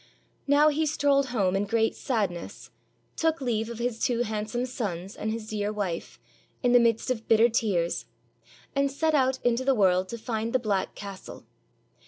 Now he strolled home in great sadness, took leave of his two handsome sons and his dear wife, in the midst of bitter tears, and set out into the world to find the black castle.